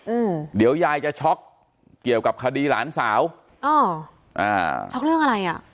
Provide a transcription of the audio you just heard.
อืมเดี๋ยวยายจะช็อกเกี่ยวกับคดีหลานสาวอ๋ออ่าช็อกเรื่องอะไรอ่ะ